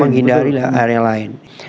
menghindari daerah lain